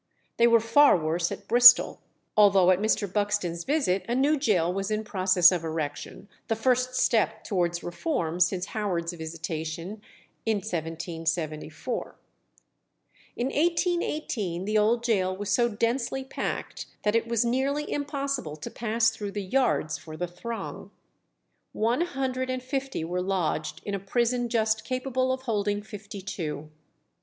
They were far worse at Bristol, although at Mr. Buxton's visit a new gaol was in process of erection, the first step towards reform since Howard's visitation in 1774. In 1818 the old gaol was so densely packed that it was nearly impossible to pass through the yards for the throng. One hundred and fifty were lodged in a prison just capable of holding fifty two.